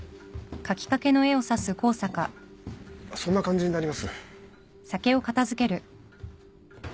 そんな感じになります。